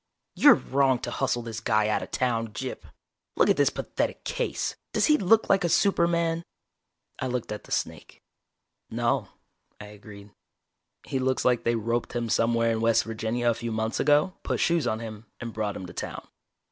You're wrong to hustle this guy out of town, Gyp. Look at this pathetic case does he look like a superman?" I looked at the snake. "No," I agreed. "He looks like they roped him somewhere in West Virginia a few months ago, put shoes on him, and brought him to town."